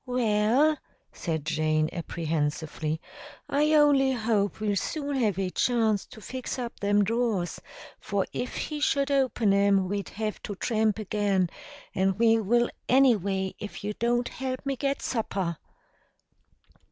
"Well," said Jane apprehensively, "I only hope we'll soon have a chance to fix up them drawers, for if he should open 'em we'd have to tramp again, and we will anyway if you don't help me get supper."